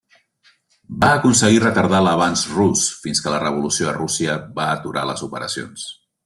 Va aconseguir retardar l'avanç rus fins que la revolució a Rússia va aturar les operacions.